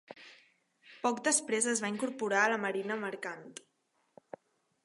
Poc després es va incorporar a la Marina Mercant.